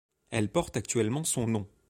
Elle porte actuellement son nom.